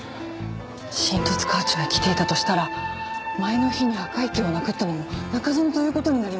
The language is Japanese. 新十津川町へ来ていたとしたら前の日に赤池を殴ったのも中園という事になります。